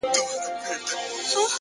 اخلاق د شخصیت هنداره ده،